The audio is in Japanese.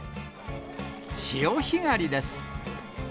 潮干狩りです。